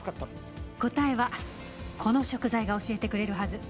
答えはこの食材が教えてくれるはず。